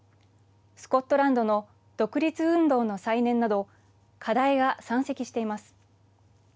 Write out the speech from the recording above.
スコットランドの独立運動の再燃など課題が山積しています。